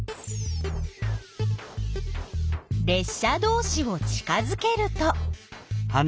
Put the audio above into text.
れっ車どうしを近づけると？